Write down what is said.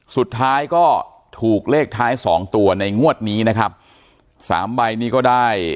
สุดท้ายก็ถูกเลขท้ายสองตัวในงวดนี้นะครับสามใบนี้ก็ได้